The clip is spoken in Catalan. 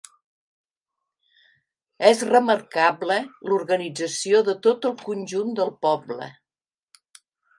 És remarcable l'organització de tot el conjunt del poble.